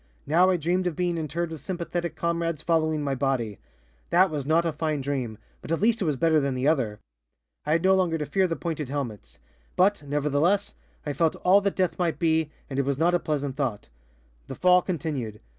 Now I dreamed of being interred with sympathetic comrades following my body. That was not a fine dream, but at least it was better than the other. "I had no longer to fear the pointed helmets. But, nevertheless, I felt all that death might be, and it was not a pleasant thought. The fall continued.